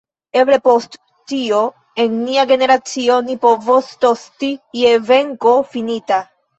Eble post tio en nia generacio ni povos tosti je venko finita.